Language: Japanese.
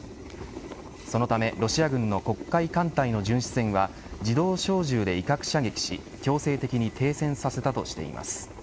そのためロシア軍の黒海艦隊の巡視船は自動小銃で威嚇射撃し強制的に停船させたとしています。